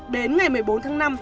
đến ngày một mươi bốn tháng năm